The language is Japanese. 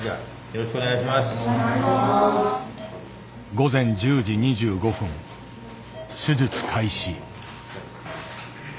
午前１０時２５分手術開始。